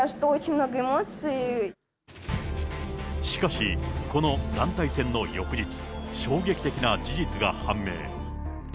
しかし、この団体戦の翌日、衝撃的な事実が判明。